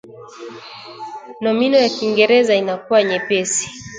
Nomino ya kingereza inakuwa nyepesi